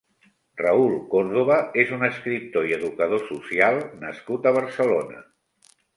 Raül Córdoba és un escriptor i educador social nascut a Barcelona.